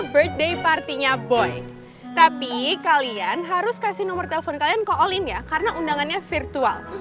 birthday partinya boy tapi kalian harus kasih nomor telepon kalian call in ya karena undangannya virtual